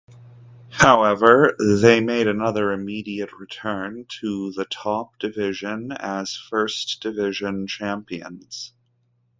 However, they made another immediate return to the top division as First Division champions.